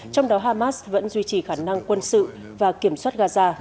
trong đó hamas vẫn duy trì khả năng quân sự và kiểm soát gaza